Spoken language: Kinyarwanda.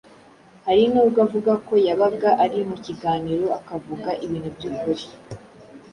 Hari nubwo avuga ko yabaga ari mu kiganiro akavuga ibintu by'ukuri,